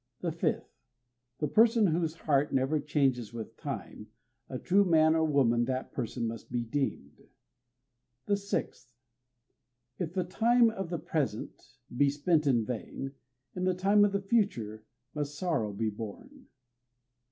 The fifth: The person whose heart never changes with time, A true man or woman that person must be deemed. The sixth: If the time [of the present] be spent in vain, In the time of the future must sorrow be borne.